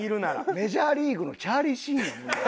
『メジャーリーグ』のチャーリー・シーン。